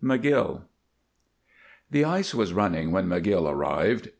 McGILL The ice was running when McGill arrived.